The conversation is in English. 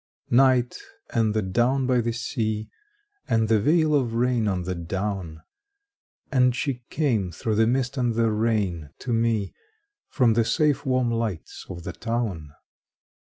NIGHT, and the down by the sea, And the veil of rain on the down; And she came through the mist and the rain to me From the safe warm lights of the town.